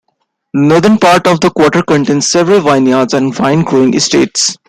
The northern part of the quarter contains several vineyards and wine-growing estates.